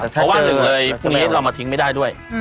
แต่ถ้าเจอเลยพรุ่งนี้เรามาทิ้งไม่ได้ด้วยอ๋อ